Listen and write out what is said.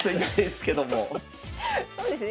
そうですね。